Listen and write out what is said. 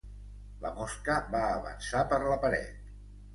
La mosca va avançar per la paret.